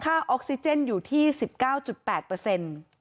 ออกซิเจนอยู่ที่๑๙๘เปอร์เซ็นต์